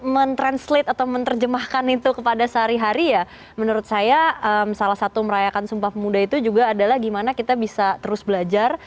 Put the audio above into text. mentranslate atau menerjemahkan itu kepada sehari hari ya menurut saya salah satu merayakan sumpah pemuda itu juga adalah gimana kita bisa terus belajar